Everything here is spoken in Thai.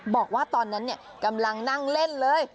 บอกว่าตอนนั้นกำลังนั่งเล่นเลย